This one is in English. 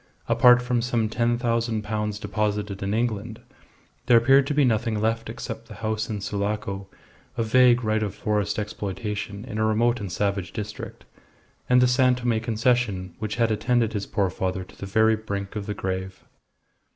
Apart from some ten thousand pounds deposited in England, there appeared to be nothing left except the house in Sulaco, a vague right of forest exploitation in a remote and savage district, and the San Tome Concession, which had attended his poor father to the very brink of the grave.